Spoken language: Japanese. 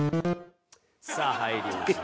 さあ入りました。